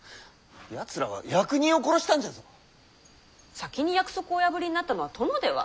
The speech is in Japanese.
先に約束をお破りになったのは殿では？